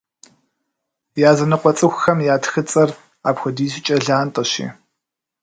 Языныкъуэ цӏыхухэм я тхыцӏэр апхуэдизкӏэ лантӏэщи.